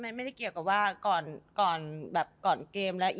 ไม่ได้เกี่ยวกับว่าก่อนเกมแล้ว